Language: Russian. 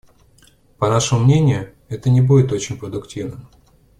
По нашему мнению, это не будет очень продуктивным.